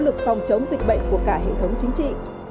phòng chống dịch bệnh của cả hệ thống chính trị